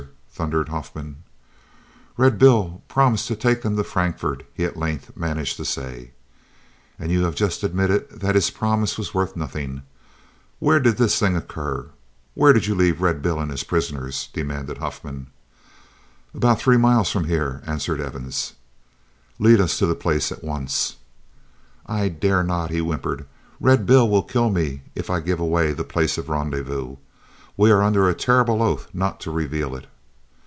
thundered Huffman. "Red Bill promised to take them to Frankfort," he at length managed to say. "And you have just admitted that his promise was worth nothing. Where did this thing occur? Where did you leave Red Bill and his prisoners?" demanded Huffman. "About three miles from here," answered Evans. "Lead us to the place at once." "I dare not," he whimpered; "Red Bill will kill me if I give away the place of rendezvous. We are under a terrible oath not to reveal it."